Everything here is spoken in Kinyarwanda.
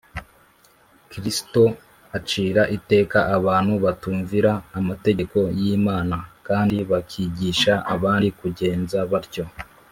kristo acira iteka abantu batumvira amategeko y’imana kandi bakigisha abandi kugenza batyo